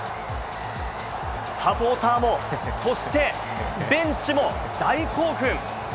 サポーターも、そしてベンチも大興奮！